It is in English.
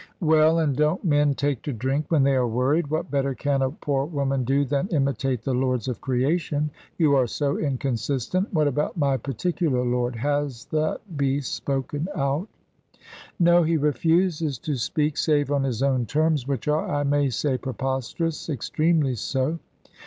"Well, and don't men take to drink when they are worried? What better can a poor woman do than imitate the lords of creation? You are so inconsistent. What about my particular lord? Has that beast spoken out?" "No. He refuses to speak save on his own terms, which are, I may say, preposterous extremely so."